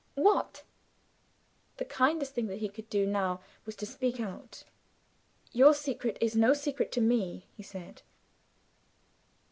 "What!" The kindest thing that he could do now was to speak out. "Your secret is no secret to me," he said.